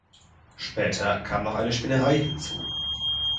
Später kam noch eine Spinnerei hinzu.